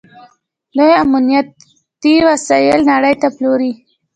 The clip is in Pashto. دوی امنیتي وسایل نړۍ ته پلوري.